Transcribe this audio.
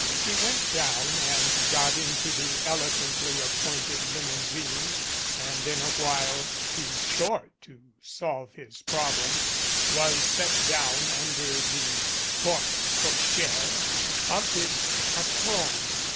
He went down and got into the elegantly appointed limousine and in a while, too short to solve his problem, was set down under the porte cochere of his patrowne.